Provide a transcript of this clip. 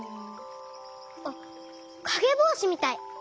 あっかげぼうしみたい！